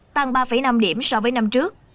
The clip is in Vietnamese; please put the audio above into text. tăng ba năm điểm so với năm trước